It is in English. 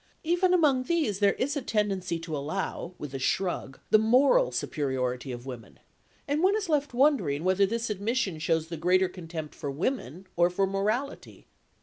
Even among these there is a tendency to allow, with a shrug, the moral superiority of women, and one is left wondering whether this admission shows the greater contempt for women or for morality.